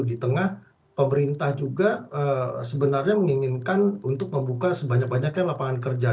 di tengah pemerintah juga sebenarnya menginginkan untuk membuka sebanyak banyaknya lapangan kerja